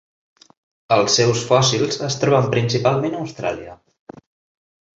Els seus fòssils es troben principalment a Austràlia.